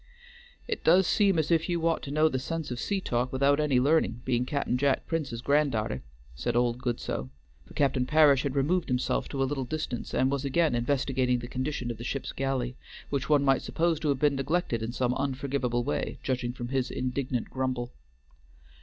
"It does seem as if you ought to know the sense of sea talk without any learning, being Cap'n Jack Prince's grand darter," said old Goodsoe; for Captain Parish had removed himself to a little distance, and was again investigating the condition of the ship's galley, which one might suppose to have been neglected in some unforgivable way, judging from his indignant grumble.